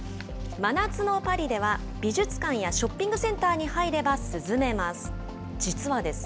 真夏のパリでは、美術館やショッピングセンターに入れば涼めます。